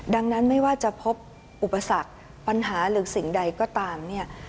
ดังนั้นไม่ว่าจะพบอุปสรรคปัญหาหรือสิ่งใดก็ตามเนี่ย